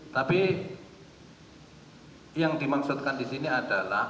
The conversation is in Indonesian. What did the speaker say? tapi yang dimaksudkan di sini adalah